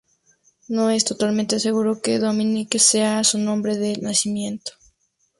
No es totalmente seguro que Dominic sea su nombre de nacimiento.